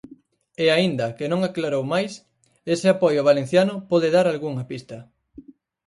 E aínda que non aclarou máis, ese apoio valenciano pode dar algunha pista.